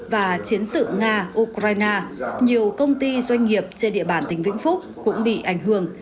và chiến sự nga ukraine nhiều công ty doanh nghiệp trên địa bàn tỉnh vĩnh phúc cũng bị ảnh hưởng